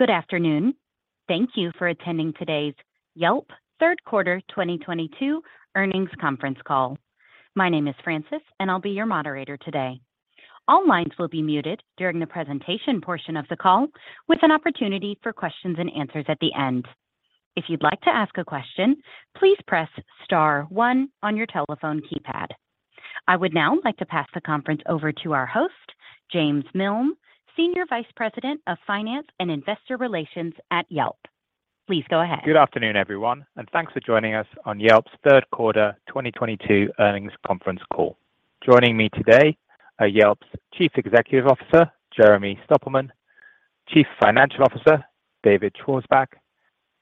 Good afternoon. Thank you for attending today's Yelp third quarter 2022 earnings conference call. My name is Francis, and I'll be your moderator today. All lines will be muted during the presentation portion of the call, with an opportunity for questions and answers at the end. If you'd like to ask a question, please press star one on your telephone keypad. I would now like to pass the conference over to our host, James Miln, Senior Vice President of Finance and Investor Relations at Yelp. Please go ahead. Good afternoon, everyone, and thanks for joining us on Yelp's third quarter 2022 earnings conference call. Joining me today are Yelp's Chief Executive Officer, Jeremy Stoppelman, Chief Financial Officer, David Schwarzbach,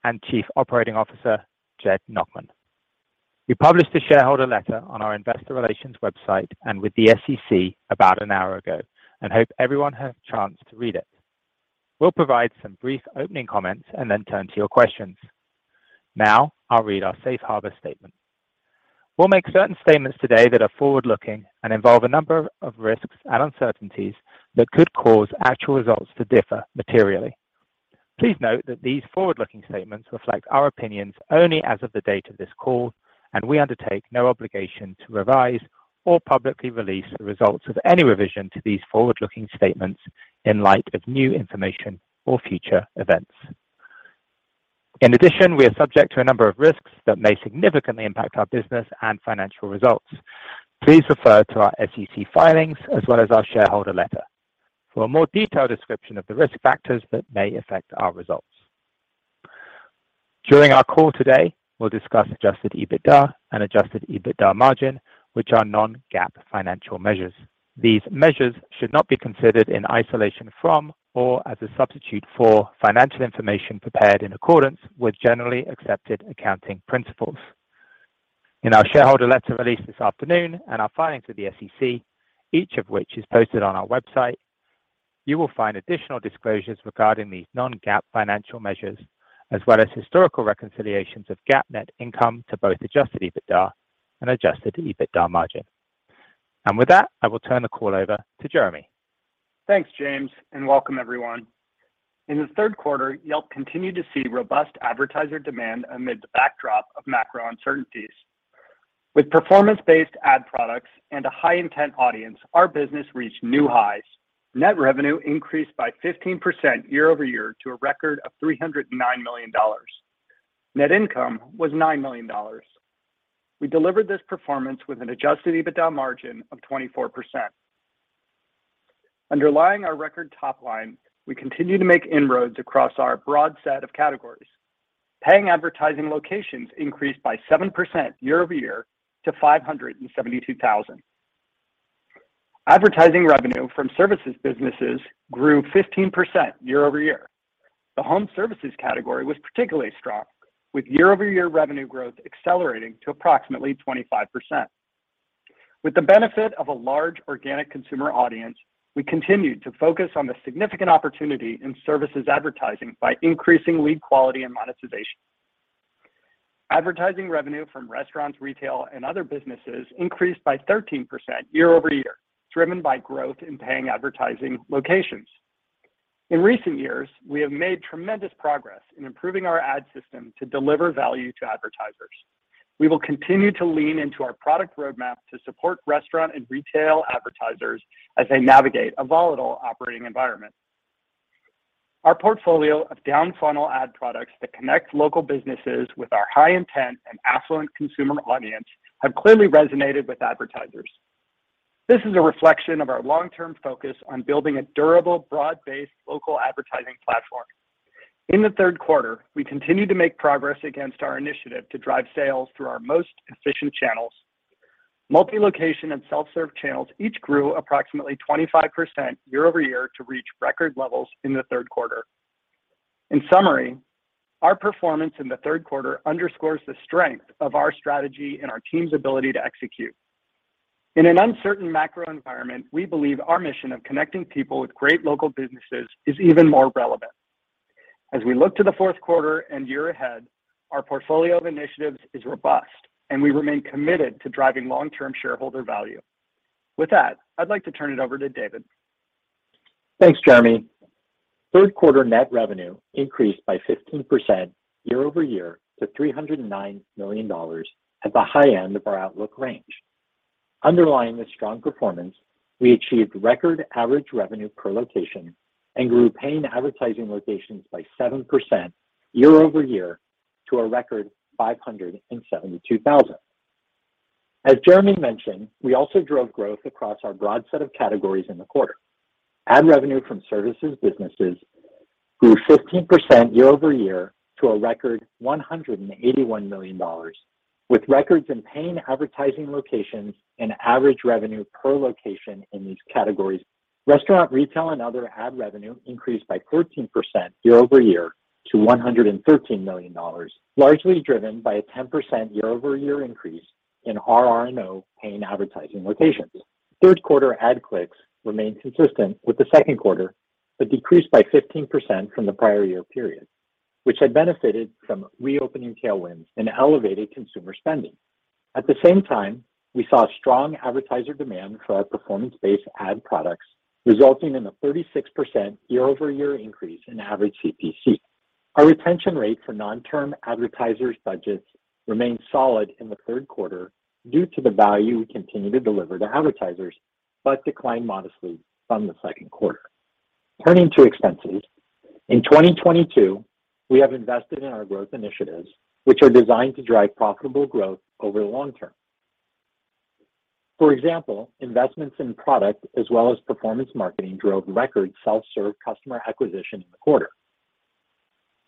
and Chief Operating Officer, Jed Nachman. We published a shareholder letter on our investor relations website and with the SEC about an hour ago and hope everyone had a chance to read it. We'll provide some brief opening comments and then turn to your questions. Now I'll read our safe harbor statement. We'll make certain statements today that are forward-looking and involve a number of risks and uncertainties that could cause actual results to differ materially. Please note that these forward-looking statements reflect our opinions only as of the date of this call, and we undertake no obligation to revise or publicly release the results of any revision to these forward-looking statements in light of new information or future events. In addition, we are subject to a number of risks that may significantly impact our business and financial results. Please refer to our SEC filings as well as our shareholder letter for a more detailed description of the risk factors that may affect our results. During our call today, we'll discuss Adjusted EBITDA and Adjusted EBITDA margin, which are non-GAAP financial measures. These measures should not be considered in isolation from or as a substitute for financial information prepared in accordance with generally accepted accounting principles. In our shareholder letter released this afternoon and our filings with the SEC, each of which is posted on our website, you will find additional disclosures regarding these non-GAAP financial measures, as well as historical reconciliations of GAAP net income to both Adjusted EBITDA and Adjusted EBITDA margin. With that, I will turn the call over to Jeremy. Thanks, James, and welcome everyone. In the third quarter, Yelp continued to see robust advertiser demand amid the backdrop of macro uncertainties. With performance-based ad products and a high intent audience, our business reached new highs. Net revenue increased by 15% year-over-year to a record of $309 million. Net income was $9 million. We delivered this performance with an Adjusted EBITDA margin of 24%. Underlying our record top line, we continue to make inroads across our broad set of categories. Paying advertising locations increased by 7% year-over-year to 572,000. Advertising revenue from services businesses grew 15% year-over-year. The home services category was particularly strong, with year-over-year revenue growth accelerating to approximately 25%. With the benefit of a large organic consumer audience, we continued to focus on the significant opportunity in services advertising by increasing lead quality and monetization. Advertising revenue from restaurants, retail, and other businesses increased by 13% year-over-year, driven by growth in paying advertising locations. In recent years, we have made tremendous progress in improving our ad system to deliver value to advertisers. We will continue to lean into our product roadmap to support restaurant and retail advertisers as they navigate a volatile operating environment. Our portfolio of down-funnel ad products that connect local businesses with our high intent and affluent consumer audience have clearly resonated with advertisers. This is a reflection of our long-term focus on building a durable, broad-based local advertising platform. In the third quarter, we continued to make progress against our initiative to drive sales through our most efficient channels. Multi-location and self-serve channels each grew approximately 25% year-over-year to reach record levels in the third quarter. In summary, our performance in the third quarter underscores the strength of our strategy and our team's ability to execute. In an uncertain macro environment, we believe our mission of connecting people with great local businesses is even more relevant. As we look to the fourth quarter and year ahead, our portfolio of initiatives is robust, and we remain committed to driving long-term shareholder value. With that, I'd like to turn it over to David. Thanks, Jeremy. Third quarter net revenue increased by 15% year-over-year to $309 million at the high end of our outlook range. Underlying this strong performance, we achieved record average revenue per location and grew paying advertising locations by 7% year-over-year to a record 572,000. As Jeremy mentioned, we also drove growth across our broad set of categories in the quarter. Ad revenue from services businesses grew 15% year-over-year to a record $181 million, with records in paying advertising locations and average revenue per location in these categories. Restaurant, retail, and other ad revenue increased by 14% year-over-year to $113 million, largely driven by a 10% year-over-year increase in RR&O paying advertising locations. Third quarter ad clicks remained consistent with the second quarter, but decreased by 15% from the prior year period, which had benefited from reopening tailwinds and elevated consumer spending. At the same time, we saw strong advertiser demand for our performance-based ad products, resulting in a 36% year-over-year increase in average CPC. Our retention rate for non-term advertisers budgets remained solid in the third quarter due to the value we continue to deliver to advertisers, but declined modestly from the second quarter. Turning to expenses. In 2022, we have invested in our growth initiatives, which are designed to drive profitable growth over the long term. For example, investments in product as well as performance marketing drove record self-serve customer acquisition in the quarter.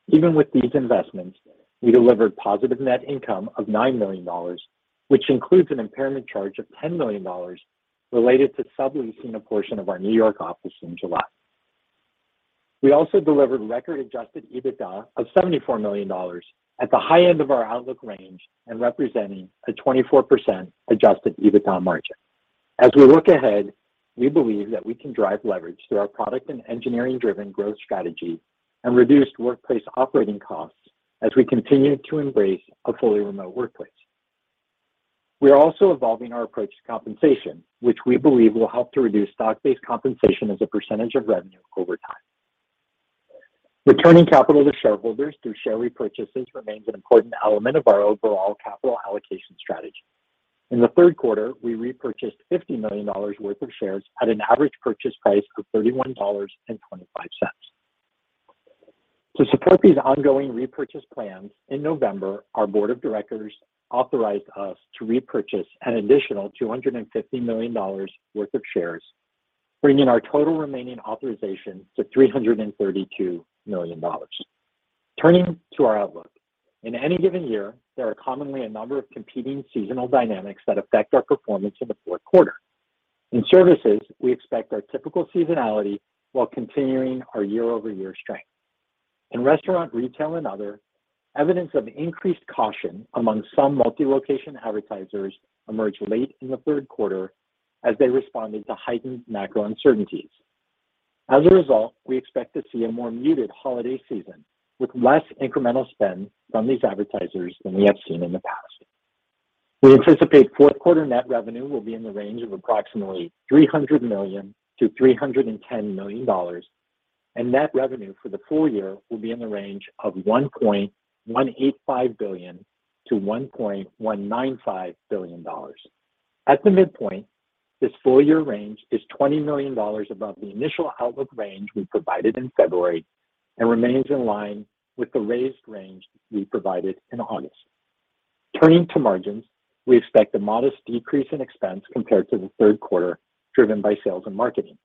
Even with these investments, we delivered positive net income of $9 million, which includes an impairment charge of $10 million related to subleasing a portion of our New York office in July. We also delivered record Adjusted EBITDA of $74 million at the high end of our outlook range and representing a 24% Adjusted EBITDA margin. As we look ahead, we believe that we can drive leverage through our product and engineering-driven growth strategy and reduce workplace operating costs as we continue to embrace a fully remote workplace. We are also evolving our approach to compensation, which we believe will help to reduce stock-based compensation as a percentage of revenue over time. Returning capital to shareholders through share repurchases remains an important element of our overall capital allocation strategy. In the third quarter, we repurchased $50 million worth of shares at an average purchase price of $31.25. To support these ongoing repurchase plans, in November, our board of directors authorized us to repurchase an additional $250 million worth of shares, bringing our total remaining authorization to $332 million. Turning to our outlook. In any given year, there are commonly a number of competing seasonal dynamics that affect our performance in the fourth quarter. In services, we expect our typical seasonality while continuing our year-over-year strength. In restaurant, retail, and other, evidence of increased caution among some multi-location advertisers emerged late in the third quarter as they responded to heightened macro uncertainties. As a result, we expect to see a more muted holiday season with less incremental spend from these advertisers than we have seen in the past. We anticipate fourth quarter net revenue will be in the range of approximately $300 million-$310 million, and net revenue for the full year will be in the range of $1.185 billion-$1.195 billion. At the midpoint, this full year range is $20 million above the initial outlook range we provided in February and remains in line with the raised range we provided in August. Turning to margins, we expect a modest decrease in expense compared to the third quarter, driven by sales and marketing.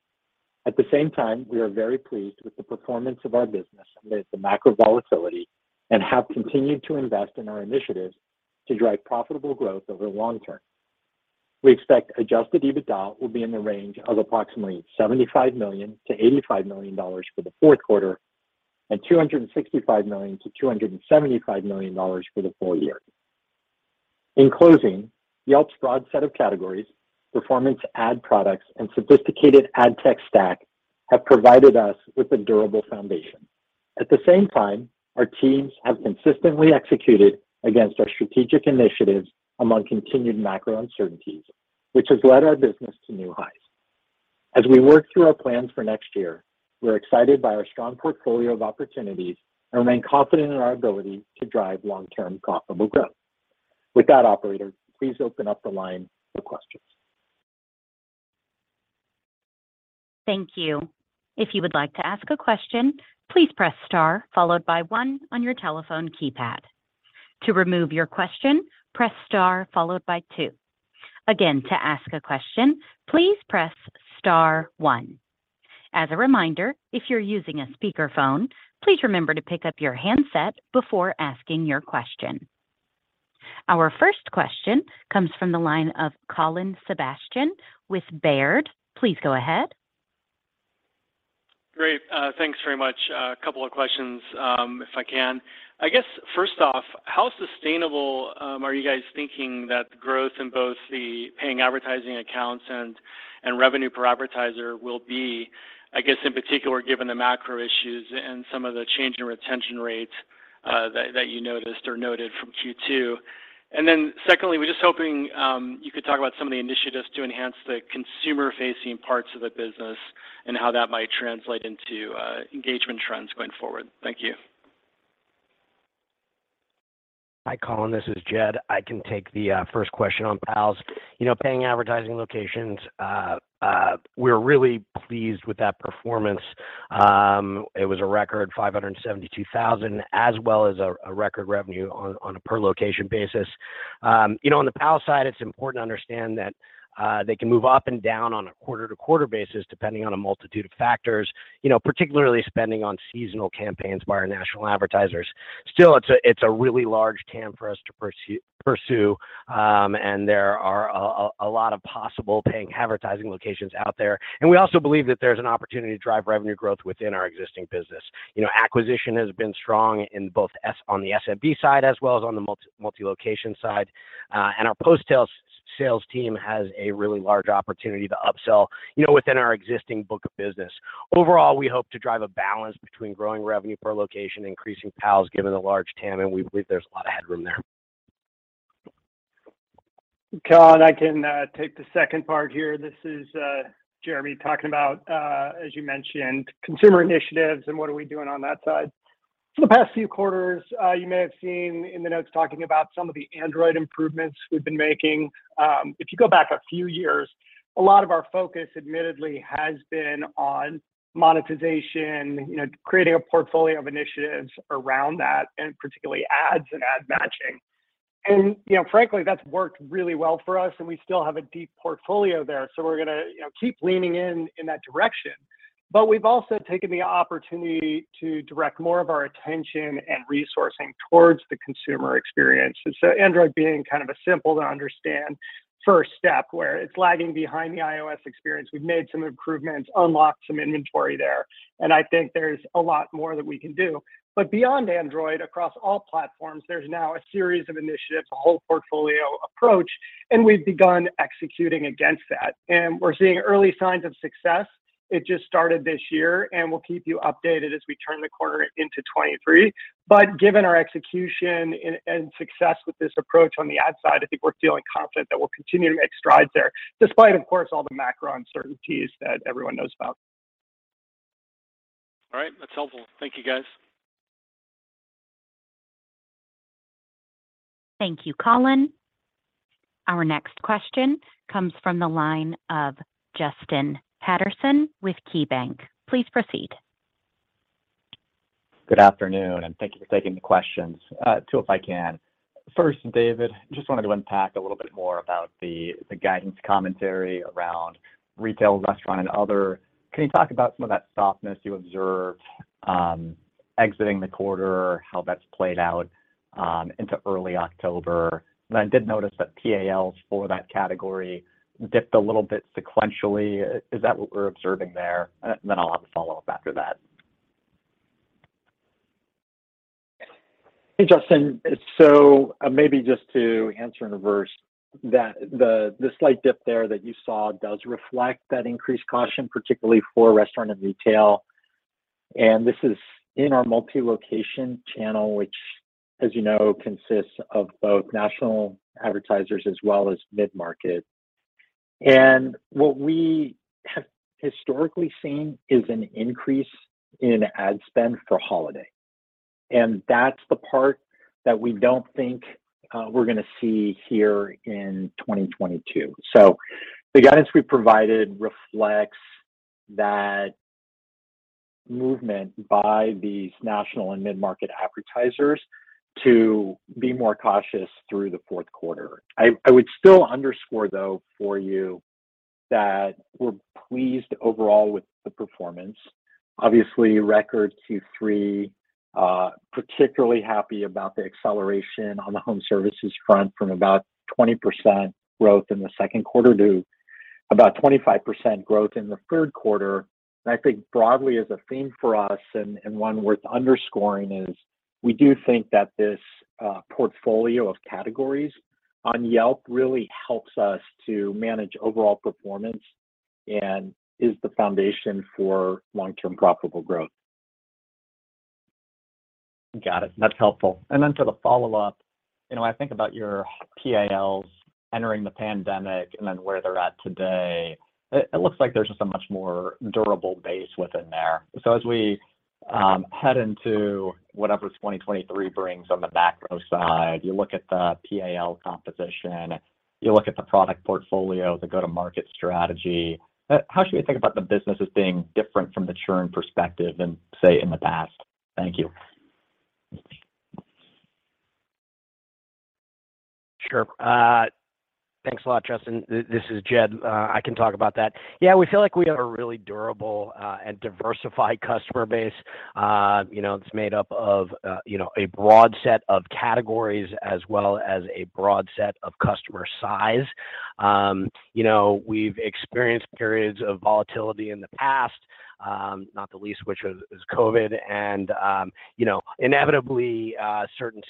At the same time, we are very pleased with the performance of our business amid the macro volatility and have continued to invest in our initiatives to drive profitable growth over long term. We expect Adjusted EBITDA will be in the range of approximately $75 million-$85 million for the fourth quarter and $265 million-$275 million for the full year. In closing, Yelp's broad set of categories, performance ad products, and sophisticated ad tech stack have provided us with a durable foundation. At the same time, our teams have consistently executed against our strategic initiatives among continued macro uncertainties, which has led our business to new highs. As we work through our plans for next year, we're excited by our strong portfolio of opportunities and remain confident in our ability to drive long-term profitable growth. With that, operator, please open up the line for questions. Thank you. If you would like to ask a question, please press star followed by one on your telephone keypad. To remove your question, press star followed by two. Again, to ask a question, please press star one. As a reminder, if you're using a speakerphone, please remember to pick up your handset before asking your question. Our first question comes from the line of Colin Sebastian with Baird. Please go ahead. Great. Thanks very much. A couple of questions, if I can. I guess, first off, how sustainable are you guys thinking that growth in both the paying advertising accounts and revenue per advertiser will be, I guess, in particular, given the macro issues and some of the change in retention rates, that you noticed or noted from Q2? Secondly, we're just hoping you could talk about some of the initiatives to enhance the consumer-facing parts of the business and how that might translate into engagement trends going forward. Thank you. Hi, Colin, this is Jed. I can take the first question on PALs. You know, paying advertising locations, we're really pleased with that performance. It was a record 572,000, as well as a record revenue on a per location basis. You know, on the PAL side, it's important to understand that they can move up and down on a quarter-to-quarter basis depending on a multitude of factors, you know, particularly spending on seasonal campaigns by our national advertisers. Still, it's a really large TAM for us to pursue, and there are a lot of possible paying advertising locations out there. We also believe that there's an opportunity to drive revenue growth within our existing business. You know, acquisition has been strong in both on the SMB side as well as on the multi-location side. Our post-sales S- Sales team has a really large opportunity to upsell, you know, within our existing book of business. Overall, we hope to drive a balance between growing revenue per location, increasing PALs, given the large TAM, and we believe there's a lot of headroom there. Colin, I can take the second part here. This is Jeremy talking about, as you mentioned, consumer initiatives and what are we doing on that side. For the past few quarters, you may have seen in the notes talking about some of the Android improvements we've been making. If you go back a few years, a lot of our focus admittedly has been on monetization, you know, creating a portfolio of initiatives around that, and particularly ads and ad matching. You know, frankly, that's worked really well for us, and we still have a deep portfolio there, so we're gonna, you know, keep leaning in in that direction. We've also taken the opportunity to direct more of our attention and resourcing towards the consumer experience. Android being kind of a simple to understand first step, where it's lagging behind the iOS experience. We've made some improvements, unlocked some inventory there, and I think there's a lot more that we can do. Beyond Android, across all platforms, there's now a series of initiatives, a whole portfolio approach, and we've begun executing against that. We're seeing early signs of success. It just started this year, and we'll keep you updated as we turn the corner into 2023. Given our execution and success with this approach on the ad side, I think we're feeling confident that we'll continue to make strides there, despite of course all the macro uncertainties that everyone knows about. All right. That's helpful. Thank you, guys. Thank you, Colin. Our next question comes from the line of Justin Patterson with KeyBanc Capital Markets. Please proceed. Good afternoon, and thank you for taking the questions. Two if I can. First, David, just wanted to unpack a little bit more about the guidance commentary around retail, restaurant, and other. Can you talk about some of that softness you observed exiting the quarter, how that's played out into early October? I did notice that PALs for that category dipped a little bit sequentially. Is that what we're observing there? I'll have a follow-up after that. Hey, Justin. Maybe just to answer in reverse, that the slight dip there that you saw does reflect that increased caution, particularly for restaurant and retail. This is in our multi-location channel, which as you know, consists of both national advertisers as well as mid-market. What we have historically seen is an increase in ad spend for holiday. That's the part that we don't think we're gonna see here in 2022. The guidance we provided reflects that movement by these national and mid-market advertisers to be more cautious through the fourth quarter. I would still underscore, though, for you that we're pleased overall with the performance. Obviously, record Q3, particularly happy about the acceleration on the home services front from about 20% growth in the second quarter to about 25% growth in the third quarter. I think broadly as a theme for us and one worth underscoring is we do think that this portfolio of categories on Yelp really helps us to manage overall performance and is the foundation for long-term profitable growth. Got it. That's helpful. For the follow-up, you know, I think about your PALs entering the pandemic and then where they're at today, it looks like there's just a much more durable base within there. As we head into whatever 2023 brings on the macro side, you look at the PAL composition, you look at the product portfolio, the go-to-market strategy, how should we think about the business as being different from the churn perspective than, say, in the past? Thank you. Sure. Thanks a lot, Justin. This is Jed. I can talk about that. Yeah, we feel like we have a really durable and diversified customer base. You know, it's made up of, you know, a broad set of categories as well as a broad set of customer size. You know, we've experienced periods of volatility in the past, not the least of which was COVID. You know, inevitably, certain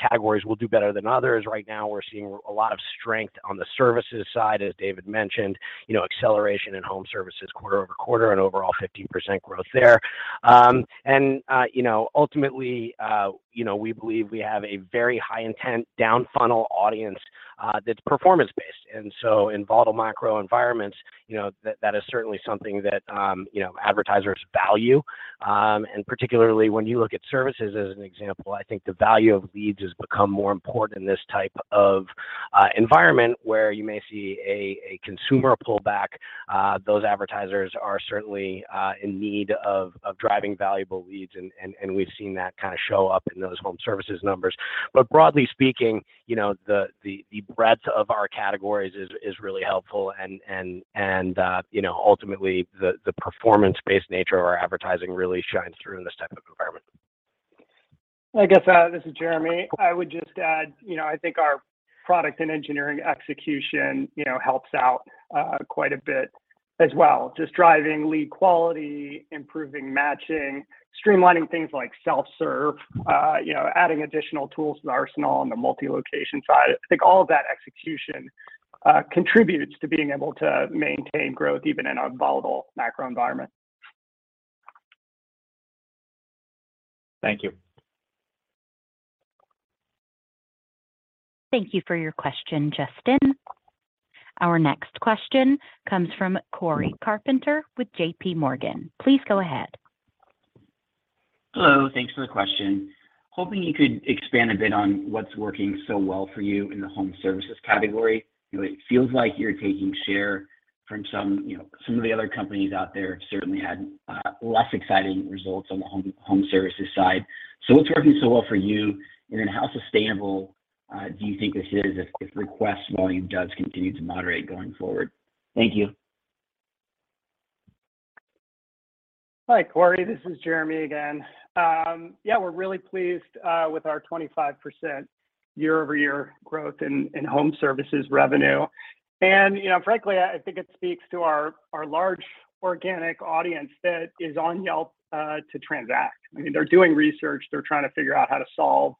categories will do better than others. Right now, we're seeing a lot of strength on the services side, as David mentioned. You know, acceleration in home services quarter-over-quarter and overall 15% growth there. Ultimately, you know, we believe we have a very high intent down funnel audience that's performance-based. In volatile macro environments, you know, that is certainly something that, you know, advertisers value. Particularly when you look at services as an example, I think the value of leads has become more important in this type of environment where you may see a consumer pull back. Those advertisers are certainly in need of driving valuable leads and we've seen that kinda show up in those home services numbers. Broadly speaking, you know, the breadth of our categories is really helpful and, you know, ultimately the performance-based nature of our advertising really shines through in this type of environment. I guess, this is Jeremy. I would just add, you know, I think our product and engineering execution, you know, helps out, quite a bit as well, just driving lead quality, improving matching, streamlining things like self-serve, you know, adding additional tools to the arsenal on the multi-location side. I think all of that execution contributes to being able to maintain growth even in a volatile macro environment. Thank you. Thank you for your question, Justin. Our next question comes from Cory Carpenter with JP Morgan. Please go ahead. Hello. Thanks for the question. Hoping you could expand a bit on what's working so well for you in the home services category. You know, it feels like you're taking share from some, you know, some of the other companies out there have certainly had less exciting results on the home services side. So what's working so well for you, and then how sustainable do you think this is if request volume does continue to moderate going forward? Thank you. Hi, Cory. This is Jeremy again. Yeah, we're really pleased with our 25% year-over-year growth in home services revenue. You know, frankly, I think it speaks to our large organic audience that is on Yelp to transact. I mean, they're doing research. They're trying to figure out how to solve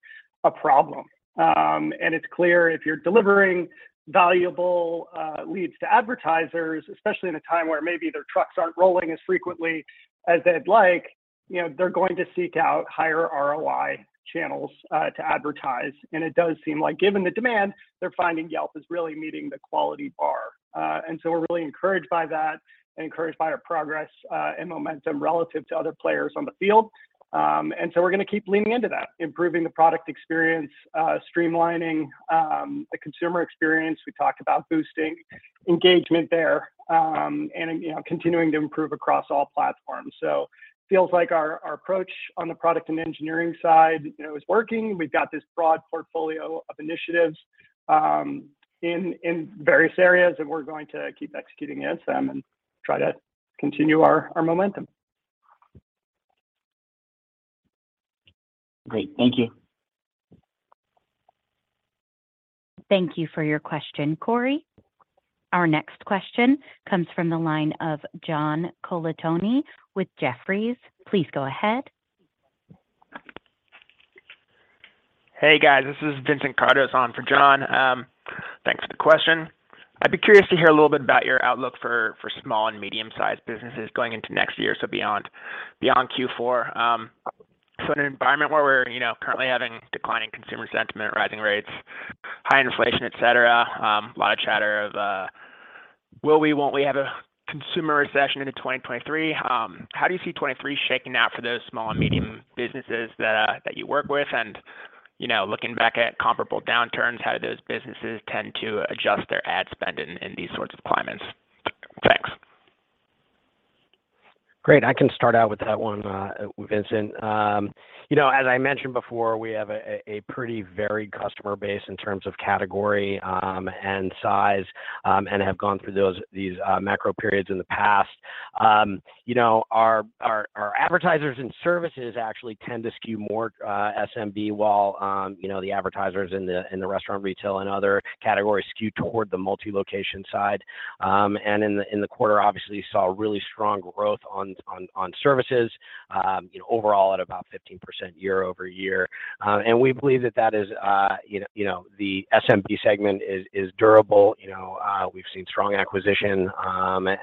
a problem. It's clear if you're delivering valuable leads to advertisers, especially in a time where maybe their trucks aren't rolling as frequently as they'd like. You know, they're going to seek out higher ROI channels to advertise. It does seem like given the demand, they're finding Yelp is really meeting the quality bar. We're really encouraged by that and encouraged by our progress and momentum relative to other players on the field. We're gonna keep leaning into that, improving the product experience, streamlining the consumer experience. We talked about boosting engagement there, and, you know, continuing to improve across all platforms. Feels like our approach on the product and engineering side, you know, is working. We've got this broad portfolio of initiatives, in various areas, and we're going to keep executing against them and try to continue our momentum. Great. Thank you. Thank you for your question, Corey. Our next question comes from the line of John Colantuoni with Jefferies. Please go ahead. Hey, guys. This is Vincent Kardos on for John. Thanks for the question. I'd be curious to hear a little bit about your outlook for small and medium-sized businesses going into next year, so beyond Q4. In an environment where we're, you know, currently having declining consumer sentiment, rising rates, high inflation, et cetera, a lot of chatter of will we, won't we have a consumer recession into 2023, how do you see 2023 shaking out for those small and medium businesses that you work with? You know, looking back at comparable downturns, how do those businesses tend to adjust their ad spend in these sorts of climates? Thanks. Great. I can start out with that one, Vincent. You know, as I mentioned before, we have a pretty varied customer base in terms of category, and size, and have gone through those macro periods in the past. You know, our advertisers and services actually tend to skew more SMB while, you know, the advertisers in the restaurant, retail, and other categories skew toward the multi-location side. In the quarter, obviously, saw really strong growth on services, you know, overall at about 15% year-over-year. We believe that is, you know, the SMB segment is durable. You know, we've seen strong acquisition,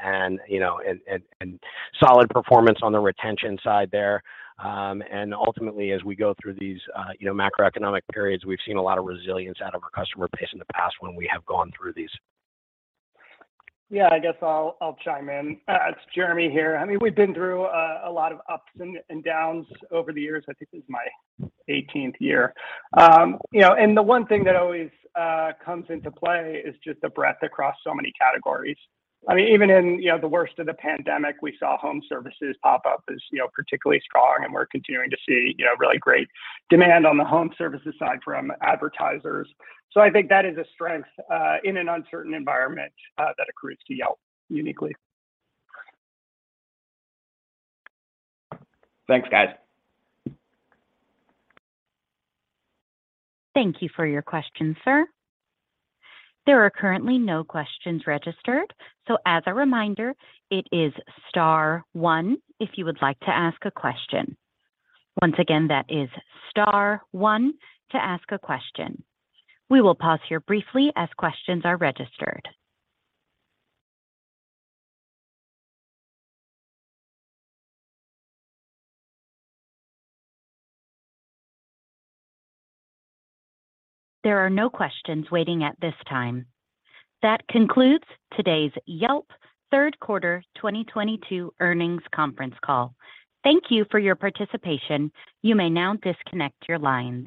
and solid performance on the retention side there. Ultimately, as we go through these, you know, macroeconomic periods, we've seen a lot of resilience out of our customer base in the past when we have gone through these. I guess I'll chime in. It's Jeremy here. I mean, we've been through a lot of ups and downs over the years. I think this is my 18th year. You know, the one thing that always comes into play is just the breadth across so many categories. I mean, even in the worst of the pandemic, we saw home services pop up as particularly strong, and we're continuing to see really great demand on the home services side from advertisers. I think that is a strength in an uncertain environment that accrues to Yelp uniquely. Thanks, guys. Thank you for your question, sir. There are currently no questions registered, so as a reminder, it is star one if you would like to ask a question. Once again, that is star one to ask a question. We will pause here briefly as questions are registered. There are no questions waiting at this time. That concludes today's Yelp third quarter 2022 earnings conference call. Thank you for your participation. You may now disconnect your lines.